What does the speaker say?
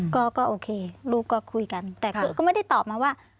ก็โอเคลูกก็คุยกันแต่ก็ไม่ได้ตอบมาว่า